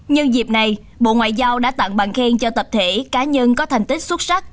nhân dịp này bộ ngoại giao đã tặng bằng khen cho tập thể cá nhân có thành tích xuất sắc